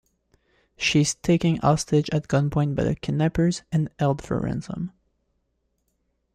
She is taken hostage at gunpoint by the kidnappers, and held for ransom.